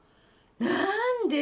何で？